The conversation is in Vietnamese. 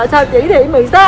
sao chỉ thị một mươi sáu á